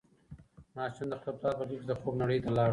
ماشوم د خپل پلار په غېږ کې د خوب نړۍ ته لاړ.